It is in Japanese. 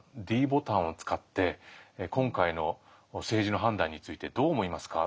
ｄボタンを使って今回の政治の判断についてどう思いますか？